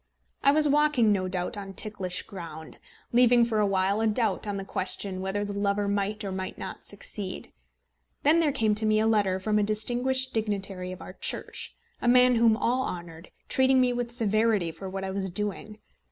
I was walking no doubt on ticklish ground, leaving for a while a doubt on the question whether the lover might or might not succeed. Then there came to me a letter from a distinguished dignitary of our Church, a man whom all men honoured, treating me with severity for what I was doing.